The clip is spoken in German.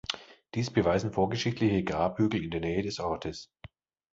Dies beweisen vorgeschichtliche Grabhügel in der Nähe des Ortes.